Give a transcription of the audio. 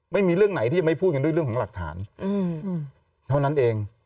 ไม่มีเรื่องไหนที่จะไม่พูดกันด้วยเรื่องของหลักฐานเท่านั้นเอง